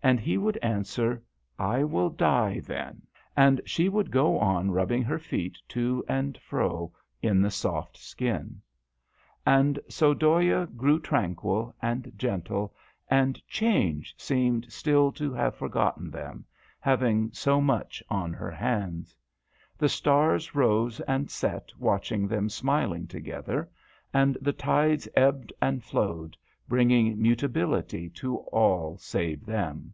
" and he would answer, " I will die then ;" and she would go on rubbing her feet to and fro in the soft skin. DHOYA. 189 And so Dhoya grew tranquil and gentle, and Change seemed still to have forgotten them, having so much on her hands. The stars rose and set watching them smiling together, and the tides ebbed and flowed, bringing mutability to all save them.